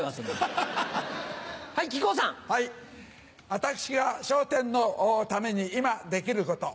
私が『笑点』のために今できること。